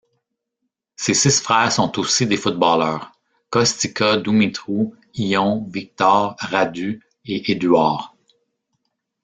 Ses six frères sont aussi des footballeurs, Costică, Dumitru, Ion, Victor, Radu et Eduard.